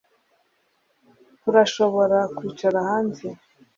turashobora kwicara hanze.